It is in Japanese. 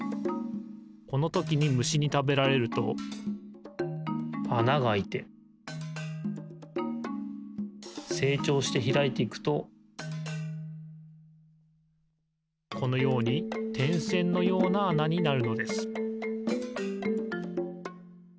このときにむしにたべられるとあながあいてせいちょうしてひらいていくとこのようにてんせんのようなあなになるのです